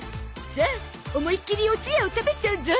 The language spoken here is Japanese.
さあ思いっきりおつやを食べちゃうゾ